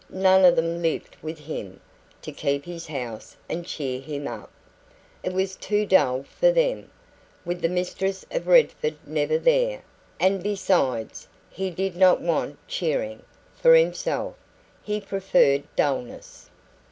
None of them lived with him, to keep his house and cheer him up. It was too dull for them (with the mistress of Redford never there), and besides, he did not want cheering; for himself, he preferred dullness.